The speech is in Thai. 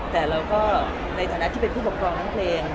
แต่เราก็ในฐานะที่เป็นผู้ปกครองทั้งเพลง